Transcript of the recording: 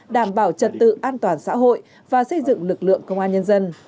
đảm bảo trật tự an toàn xã hội và xây dựng lực lượng công an nhân dân